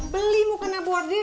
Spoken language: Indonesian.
beli mukena bordiran disono